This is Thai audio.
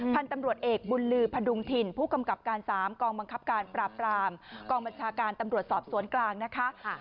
พันธุ์ตำรวจเอกบุญลือพดุงถิ่นผู้กำกับการ๓กองบังคับการปราบรามกองบัญชาการตำรวจสอบสวนกลางนะคะ